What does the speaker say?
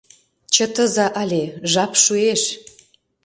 Чытыза але, жап шуэш...